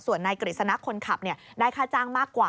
ส่วนนายกฤษณะคนขับได้ค่าจ้างมากกว่า